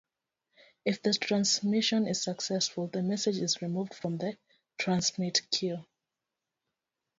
If the transmission is successful the message is removed from the transmit queue.